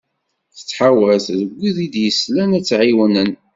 Tettḥawat deg wid i d-yeslan ad tt-ɛiwnen.